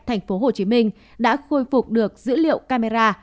tp hcm đã khôi phục được dữ liệu camera